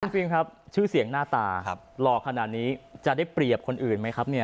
จริงครับชื่อเสียงหน้าตาครับหล่อขนาดนี้จะได้เปรียบคนอื่นไหมครับเนี่ย